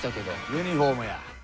ユニフォームや。